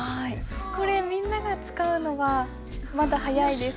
これみんなが使うのはまだ早いですか？